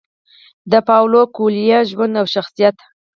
د پاولو کویلیو ژوند او شخصیت: